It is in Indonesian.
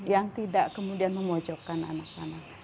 yang tidak kemudian memojokkan